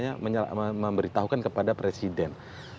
kita memberitahukan kepada presiden